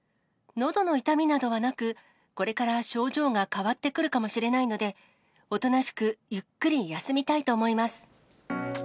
のどの痛みなどはなく、これから症状が変わってくるかもしれないので、おとなしくゆっくり休みたいと思います。